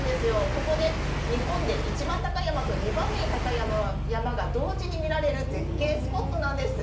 ここで日本で一番高い山と２番目に高い山が同時に見られる絶景スポットなんです。